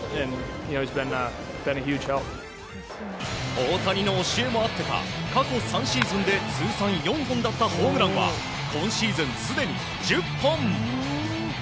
大谷の教えもあってか過去３シーズンで通算４本だったホームランは今シーズンすでに１０本！